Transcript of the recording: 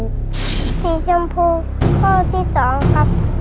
สีชมพูข้อที่๒ครับ